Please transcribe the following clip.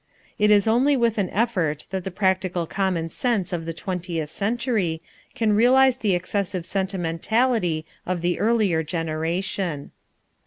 It is only with an effort that the practical common sense of the twentieth century can realize the excessive sentimentality of the earlier generation.